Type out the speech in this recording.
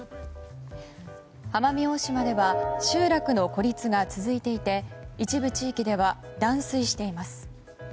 奄美大島では集落の孤立が続いていて一部地域では断水しています。